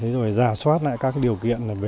rồi ra soát lại các điều kiện về cơ sở vật chất